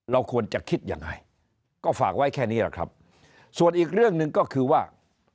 เราควรจะคิดยังไงก็ฝากไว้แค่นี้แหละครับส่วนอีกเรื่องหนึ่งก็คือว่า